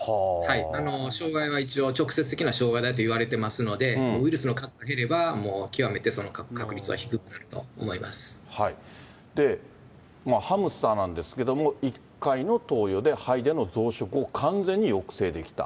障害が一応、直接的な障害だといわれてますので、ウイルスの数が減れば、ハムスターなんですけれども、１回の投与で肺での増殖を完全に抑制できた。